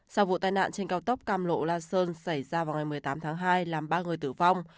sau vụ tai nạn trên cao tốc cam lộ la sơn xảy ra vào ngày một mươi tám tháng hai làm ba người tử vong